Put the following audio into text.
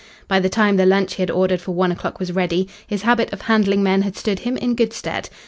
By the time the lunch he had ordered for one o'clock was ready, his habit of handling men had stood him in good stead.